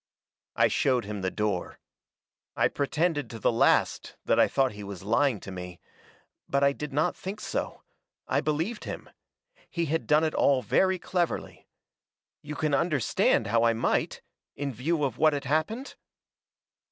"I showed him the door. I pretended to the last that I thought he was lying to me. But I did not think so. I believed him. He had done it all very cleverly. You can understand how I might in view of what had happened?"